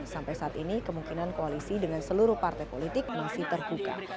sampai saat ini kemungkinan koalisi dengan seluruh partai politik masih terbuka